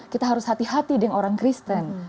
kita harus hati hati dengan orang kristen